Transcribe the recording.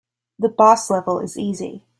The boss level is easy.